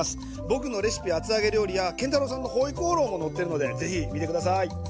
僕のレシピ厚揚げ料理や建太郎さんのホイコーローも載ってるのでぜひ見て下さい。